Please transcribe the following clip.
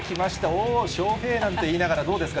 おお、翔平なんて言いながら、どうですか？